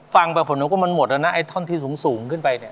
ฟังไปผลนึกว่ามันหมดแล้วนะไอ้ท่อนที่สูงขึ้นไปเนี่ย